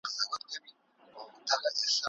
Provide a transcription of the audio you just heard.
د محبت سپين غمـــــــي چـــــــــــا وکـــــــــرل ؟